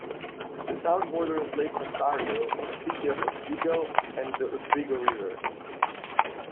The town borders Lake Ontario, the City of Oswego, and the Oswego River.